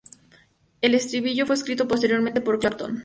El estribillo fue escrito posteriormente por Clapton.